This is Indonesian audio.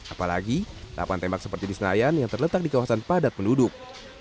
apalagi lapan tembak seperti di senayan yang terletak di kawasan padat penduduk